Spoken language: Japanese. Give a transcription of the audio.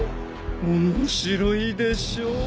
面白いでしょう？